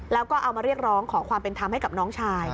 แล้วก็เอามาเรียกร้องขอความเป็นธรรมให้กับน้องชาย